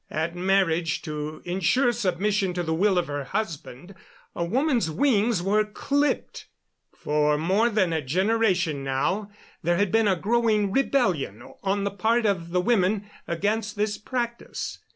At marriage, to insure submission to the will of her husband, a woman's wings were clipped. For more than a generation now there had been a growing rebellion on the part of the women against this practice.